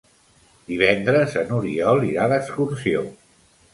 Divendres n'Oriol irà d'excursió.